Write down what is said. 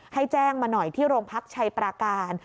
ให้แจ้งมาหน่อยที่โรงพักชัยปราการ